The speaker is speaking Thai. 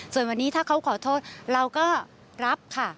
ส่วนวันนี้ถ้าเขาขอโทษเราก็รับค่ะ